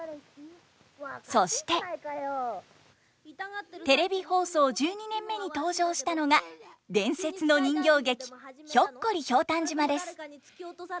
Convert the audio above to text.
そしてテレビ放送１２年目に登場したのが伝説の人形劇「ひょっこりひょうたん島」です。